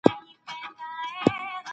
موږ ټولګي ته ننوتلو.